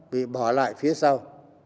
bị bỏ lại phía sau